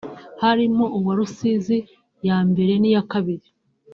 harimo uwa Rusizi ya mbere n’iya kabiri